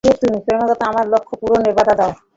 কেন তুমি ক্রমাগত আমার লক্ষ্য পূরণে বাধা দাও?